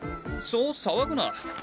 そうさわぐな。